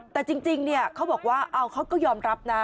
แต่จริงเขาบอกว่าเขาก็ยอมรับนะ